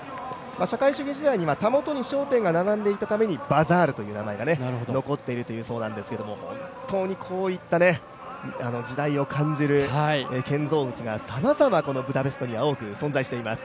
社会主義時代のときにたもとに商店が並んでいたためにバザールという名前が残っているそうなんですけれども本当にこういった時代を感じる建造物がさまざまこのブダペストには多く存在しています。